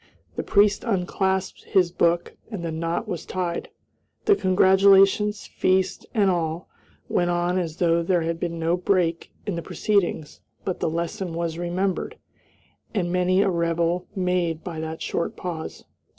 The priest unclasped his book and the knot was tied. The congratulations, feast, and all, went on as though there had been no break in the proceedings, but the lesson was remembered, and many a rebel made by that short pause.